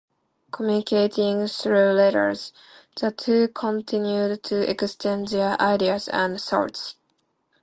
Communicating through letters, the two continued to exchange their ideas and thoughts.